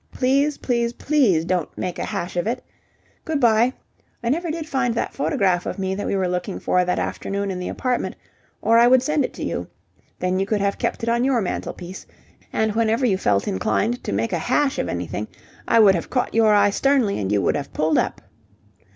Please, please, please don't 'make a hash of it'! Good bye. I never did find that photograph of me that we were looking for that afternoon in the apartment, or I would send it to you. Then you could have kept it on your mantelpiece, and whenever you felt inclined to make a hash of anything I would have caught your eye sternly and you would have pulled up.